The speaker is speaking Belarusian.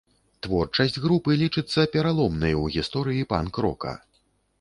Творчасць групы лічыцца пераломнай у гісторыі панк-рока.